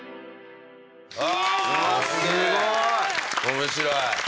面白い。